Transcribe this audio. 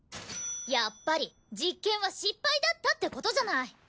やっぱり実験は失敗だったってことじゃない！